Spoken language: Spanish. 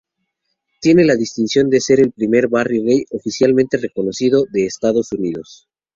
Tiene la distinción de ser el primer barrio gay oficialmente reconocido de Estados Unidos.